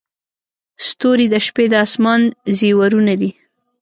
• ستوري د شپې د اسمان زیورونه دي.